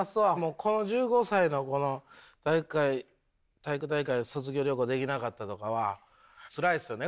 この１５歳のこの体育大会卒業旅行できなかったとかはつらいっすよね